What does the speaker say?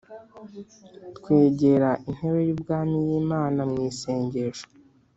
Twegera intebe y’Ubwami y’Imana mu isengesho